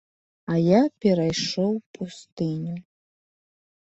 А я перайшоў пустыню.